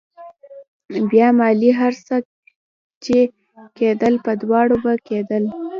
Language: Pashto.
بيا مالې هر څه چې کېدل په دواړو به کېدل.